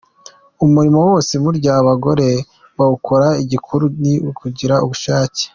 Umurimo wose burya abagore bawukora, igikuru ni ukugira ubushake.